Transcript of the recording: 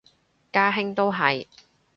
家兄都係